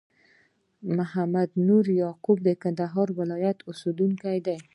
محمد نور یعقوبی د کندهار ولایت اوسېدونکی دي